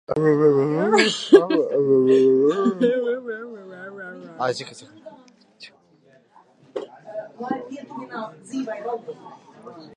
Ciemam tā dienvidu pusē garām plūst Viļeikas upe, kas veido robežu ar Baltkrieviju.